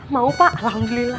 mau pak alhamdulillah